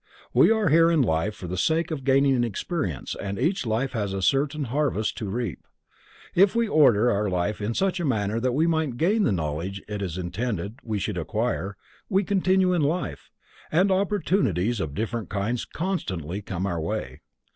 We are here in life for the sake of gaining experience and each life has a certain harvest to reap. If we order our life in such a manner that we gain the knowledge it is intended we should acquire, we continue in life, and opportunities of different kinds constantly come our way.